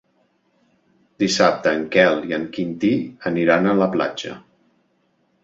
Dissabte en Quel i en Quintí aniran a la platja.